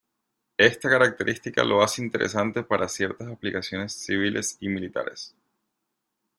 Esta característica lo hace interesante para ciertas aplicaciones civiles y militares.